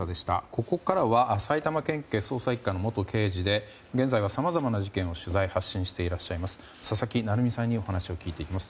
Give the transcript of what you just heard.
ここからは埼玉県警捜査１課の元刑事で現在はさまざまな事件を取材、発信していらっしゃいます佐々木成三さんにお話を聞いていきます。